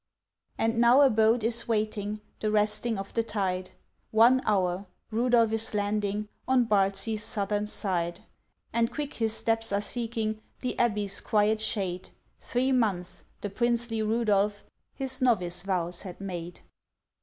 And now a boat is waiting The resting of the tide, One hour—Rudolph is landing On Bardsey's southern side. And quick his steps are seeking The Abbey's quiet shade; Three months—the princely Rudolph His novice vows had made.